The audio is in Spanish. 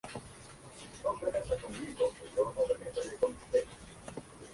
Un ejemplo es un cuadro de error, más común al detectar un virus.